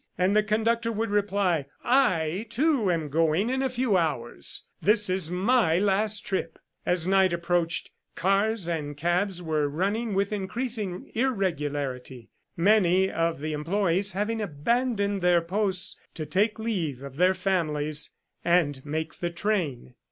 and the conductor would reply, "I, too, am going in a few hours. This is my last trip." As night approached, cars and cabs were running with increasing irregularity, many of the employees having abandoned their posts to take leave of their families and make the train.